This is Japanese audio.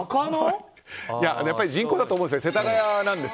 やっぱり人口だと思うんです。